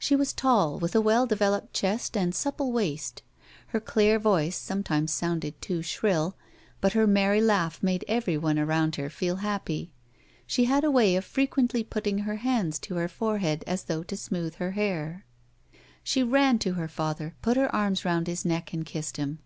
She was tall, with a well developed chest and supple waist. Her clear voice sometimes sounded too shrill, but her merry laugh made everyone around her feel happy. She had a way of frequently putting both hands to her foi'ehead, as though to smooth her hair. She ran to her father, put her arms round his neck and kissed him.